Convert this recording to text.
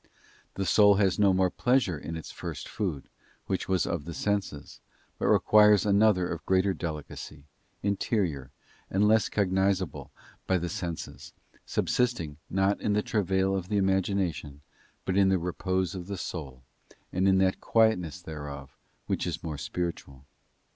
The soul has no more _ pleasure in its first food, which was of the senses, but requires ' another of greater delicacy, interior, and less cognisable by _ the senses, consisting, not in the travail of the imagination, but in the repose of the soul, and in that quietness thereof, which is more spiritual.